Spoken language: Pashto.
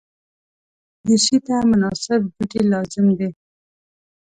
دریشي ته مناسب جوتي لازمي دي.